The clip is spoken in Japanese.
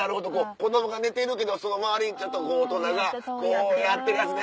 子供が寝てるけどその周り大人がこうやってるやつね。